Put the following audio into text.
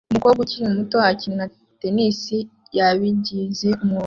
Umukobwa ukiri muto akina tennis yabigize umwuga